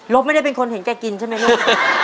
บไม่ได้เป็นคนเห็นแกกินใช่ไหมลูก